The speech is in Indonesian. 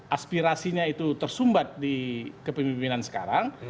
aspirasinya itu tersumbat di kepemimpinan sekarang